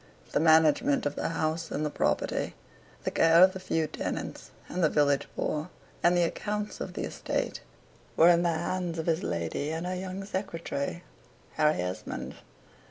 The management of the house, and the property, the care of the few tenants and the village poor, and the accounts of the estate, were in the hands of his lady and her young secretary, Harry Esmond.